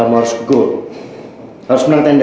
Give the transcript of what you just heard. cerdas kamu santi